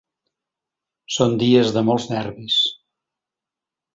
Són dies de molts nervis.